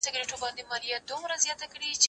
که وخت وي، کار کوم؟